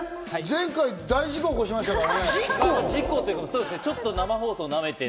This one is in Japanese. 前回、大事故起こしましたからね。